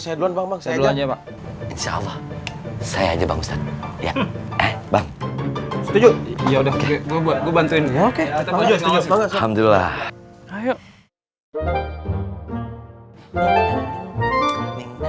saya duluan bang saya aja bang saya aja bang ustadz ya bang setuju ya udah gue bantuin ya